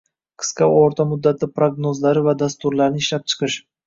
qisqa va o`rta muddatli prognozlari va dasturlarini ishlab chiqish;